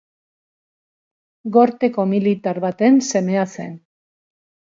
Gorteko militar baten semea zen.